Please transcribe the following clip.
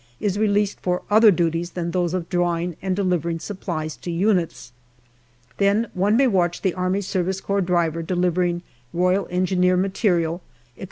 is released for other duties than those of drawing and delivering supplies to units. Then one may watch the A.S.C. driver delivering R.E. material, etc.